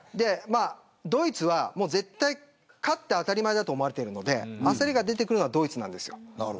ドイツは絶対に勝って当たり前だと思われているので焦りが出てくるのはドイツなんです。